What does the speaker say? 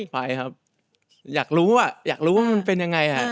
ไปครับอยากรู้อยากรู้ว่ามันเป็นยังไง